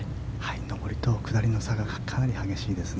上りと下りの差がかなり激しいですね。